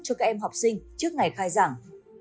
cho các em học sinh trước ngày khai giảng